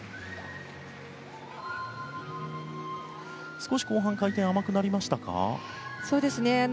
少し後半回転が甘くなりましたか？